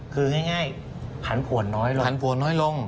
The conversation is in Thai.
คือง่ายผันผวนน้อยลง